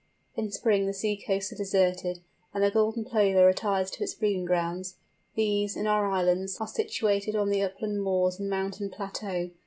In spring the sea coasts are deserted, and the Golden Plover retires to its breeding grounds. These, in our islands, are situated on the upland moors and mountain plateaux.